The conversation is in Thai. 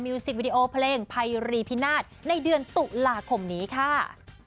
สิกวิดีโอเพลงไพรีพินาศในเดือนตุลาคมนี้ค่ะ